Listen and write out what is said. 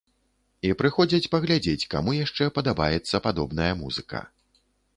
І прыходзяць паглядзець, каму яшчэ падабаецца падобная музыка.